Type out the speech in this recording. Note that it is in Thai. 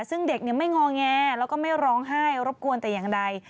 ซึ่งเด็กไม่งอแงแล้วก็ไม่ร้องไห้รบกวนแต่อย่างใด